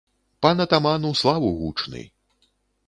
Пан атаман ў славу гучны.